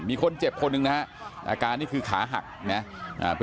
มีคนเจ็บคนหนึ่งนะฮะอาการนี่คือขาหักนะครับ